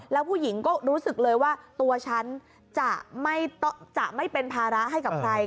แล้วผู้หญิงก็รู้สึกเลยว่าตัวฉันจะไม่เป็นภาระให้กับใคร